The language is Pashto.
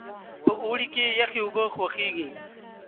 په اوړي کې یخې اوبه خوښیږي.